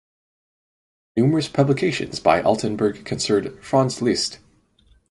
Numerous publications by Altenburg concerned Franz Liszt.